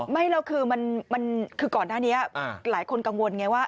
ไม่คือก่อนหน้านี้หลายคนกังวลไงว่า